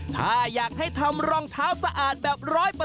ถ้าอยากให้ทำรองเท้าสะอาดแบบ๑๐๐